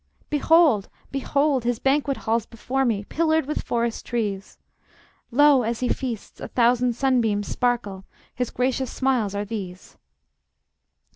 Behold! Behold! His banquet hall's before me, Pillared with forest trees; Lo! as he feasts, a thousand sunbeams sparkle, His gracious smiles are these.